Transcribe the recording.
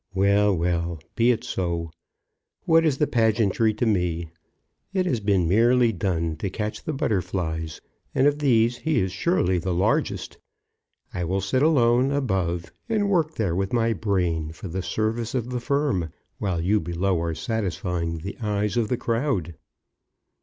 Well, well; be it so. What is the pageantry to me? It has been merely done to catch the butterflies, and of these he is surely the largest. I will sit alone above, and work there with my brain for the service of the firm, while you below are satisfying the eyes of the crowd."